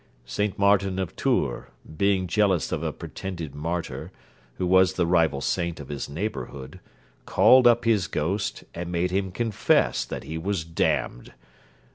Saint Martin of Tours, being jealous of a pretended martyr, who was the rival saint of his neighbourhood, called up his ghost, and made him confess that he was damned.